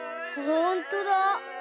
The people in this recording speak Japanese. ほんとだ。